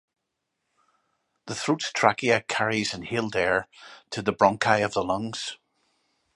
The throat's trachea carries inhaled air to the bronchi of the lungs.